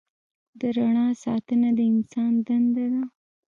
د رڼا ساتنه د انسان دنده ده.